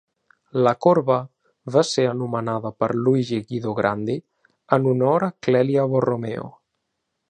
La corba va ser anomenada per Luigi Guido Grandi en honor a Clelia Borromeo.